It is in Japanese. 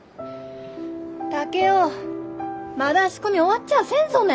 竹雄まだ仕込み終わっちゃあせんぞね！